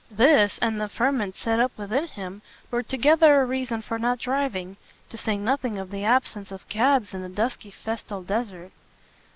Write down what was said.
This, and the ferment set up within him, were together a reason for not driving; to say nothing of the absence of cabs in the dusky festal desert.